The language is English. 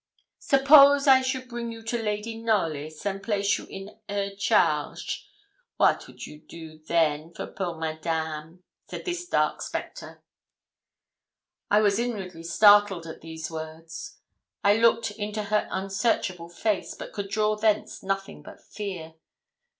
'Suppose I should bring you to Lady Knollys, and place you in her charge, what would a you do then for poor Madame?' said this dark spectre. I was inwardly startled at these words. I looked into her unsearchable face, but could draw thence nothing but fear.